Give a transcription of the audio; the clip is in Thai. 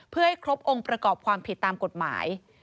เพื่อให้ครบองค์ประกอบความผิดตามกฎหมาย